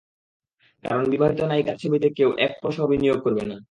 কারণ বিবাহিত নায়িকার ছবিতে কেউ, এক পয়সাও বিনিয়োগ করবে না।